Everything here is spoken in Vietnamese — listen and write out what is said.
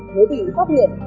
nếu bị pháp liệt